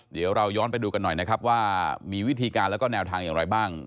เดี๋ยวเราย้อนไปดูกันหน่อยนะครับว่ามีวิธีการแล้วก็แนวทางอย่างไรบ้าง